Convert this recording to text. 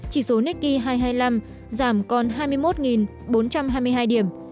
chỉ số nikkei hai trăm hai mươi năm giảm còn hai mươi một bốn trăm hai mươi hai điểm